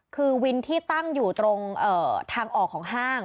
คือวินที่ตั้งอยู่ตรงทางออกของห้าง